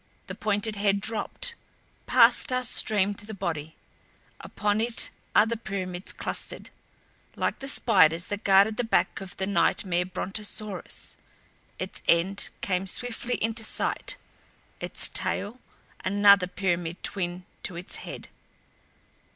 The pointed head dropped past us streamed the body. Upon it other pyramids clustered like the spikes that guarded the back of the nightmare Brontosaurus. Its end came swiftly into sight its tail another pyramid twin to its head.